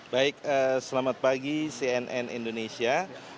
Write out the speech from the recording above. baik selamat pagi cnn indonesia